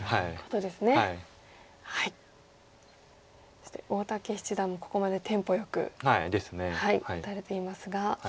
そして大竹七段もここまでテンポよく打たれていますが。